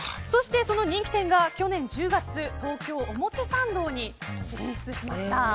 そして、その人気店が去年１０月東京・表参道に進出しました。